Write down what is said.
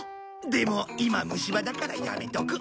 でも今虫歯だからやめとく。